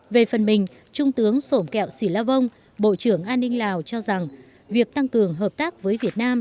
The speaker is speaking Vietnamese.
về phần mình trung tướng sổm kẹo sĩ la vong bộ trưởng an ninh lào cho rằng việc tăng cường hợp tác với việt nam